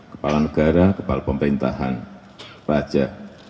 kepala negara kepala pemerintahan raja